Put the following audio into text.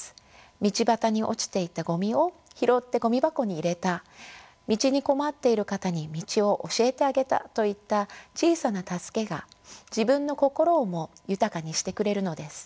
道端に落ちていたゴミを拾ってゴミ箱に入れた道に困っている方に道を教えてあげたといった小さな助けが自分の心をも豊かにしてくれるのです。